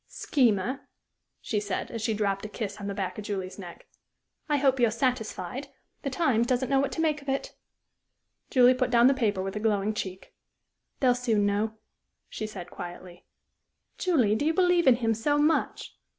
"Schemer," she said, as she dropped a kiss on the back of Julie's neck, "I hope you're satisfied. The Times doesn't know what to make of it." Julie put down the paper with a glowing cheek. "They'll soon know," she said, quietly. "Julie, do you believe in him so much?"